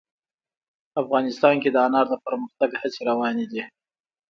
افغانستان کې د انار د پرمختګ هڅې روانې دي.